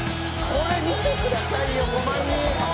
「これ見てくださいよ５万人！」